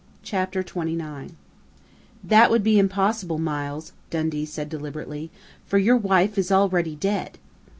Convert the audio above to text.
CHAPTER TWENTY NINE "That would be impossible, Miles," Dundee said deliberately. "_For your wife is already dead!